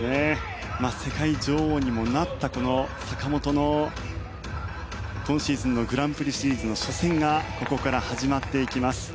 世界女王にもなった坂本の今シーズンのグランプリシリーズの初戦がここから始まっていきます。